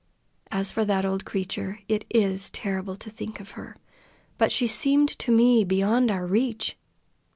As for that old creature, it is terrible to think of her, but she seemed to me beyond our reach."